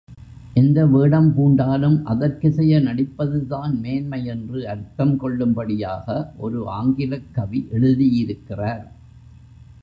எந்த வேடம் பூண்டாலும் அதற்கிசைய நடிப்பதுதான் மேன்மை என்று அர்த்தம் கொள்ளும்படியாக ஒரு ஆங்கிலக் கவி எழுதியிருக்கிறார்.